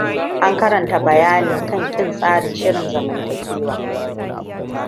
An karanta bayani kan ƙin tsarin shirin zamantakewa.